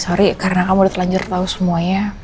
sorry karena kamu udah telanjur tahu semuanya